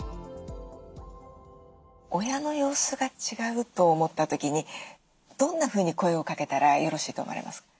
親の様子が違うと思った時にどんなふうに声をかけたらよろしいと思われますか？